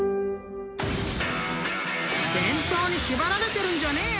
［伝統に縛られてるんじゃねえよ！］